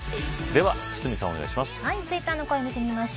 では、堤さんお願いします。